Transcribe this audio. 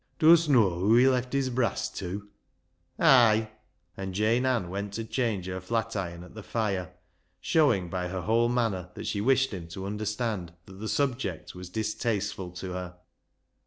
" Dust know whoa he left his brass tew ?"" Ay," and Jane Ann went to change her flat iron at the fire, showing by her whole manner that she wished him to understand that the subject was distasteful to her.